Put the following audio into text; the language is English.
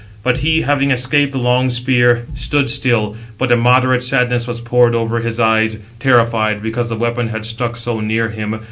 But he, having escaped the long spear, stood still, but immoderate sadness was poured over his eyes, terrified, because the weapon had stuck so near him.